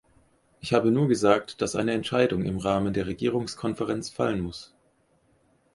Ich habe nur gesagt, dass eine Entscheidung im Rahmen der Regierungskonferenz fallen muss.